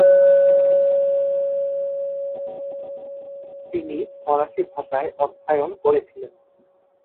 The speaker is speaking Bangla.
তিনি ফরাসি ভাষার অধ্যয়ন করেছিলেন।